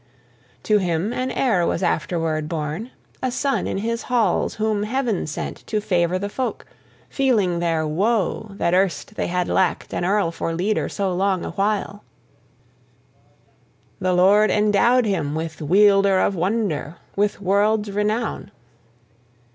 To him an heir was afterward born, a son in his halls, whom heaven sent to favor the folk, feeling their woe that erst they had lacked an earl for leader so long a while; the Lord endowed him, the Wielder of Wonder, with world's renown.